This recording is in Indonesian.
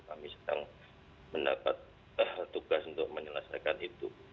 kami sedang mendapat tugas untuk menyelesaikan itu